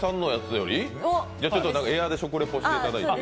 じゃあ、エアで食レポしていただいて。